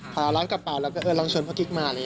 พอรับกระเป๋าแล้วก็เอิ้นลองชวนพ่อกริ๊กมา